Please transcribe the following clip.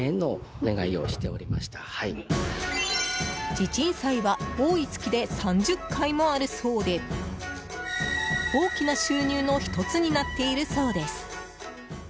地鎮祭は多い月で３０回もあるそうで大きな収入の１つになっているそうです。